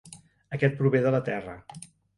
Aquest prové de la terra.